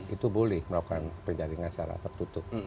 itu boleh melakukan penjaringan secara tertutup